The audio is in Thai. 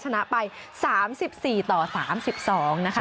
ชนะไป๓๔ต่อ๓๒นะคะ